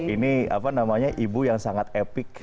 ini ibu yang sangat epik